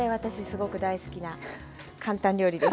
すごく大好きな簡単料理です。